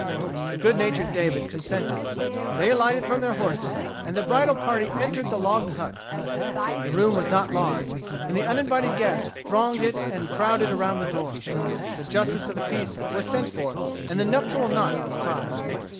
The good natured David consented. They alighted from their horses, and the bridal party entered the log hut. The room was not large, and the uninvited guests thronged it and crowded around the door. The justice of peace was sent for, and the nuptial knot was tied.